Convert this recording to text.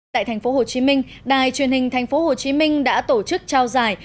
tại tp hcm đài truyền hình tp hcm đã tổ chức trao giải